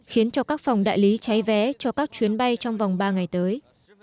khiến cho các phòng đại lý cháy vé cho các chuyến bay trong vòng ba ngày tới